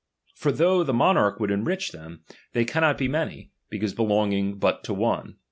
For though the monarch would enrich them, they can not be many, because belonging but to one.